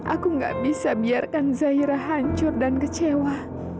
aku nggak bisa biarkan zaira hancur dan kecewa